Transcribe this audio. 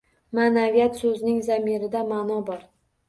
Ma’naviyat so‘zining zamirida ma’no bor.